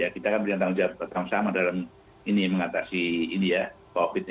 kita kan berdekatan sama sama dalam mengatasi covid sembilan belas